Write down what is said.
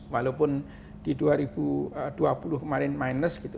walaupun di dua ribu dua puluh kemarin minus gitu